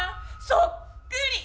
そっくり！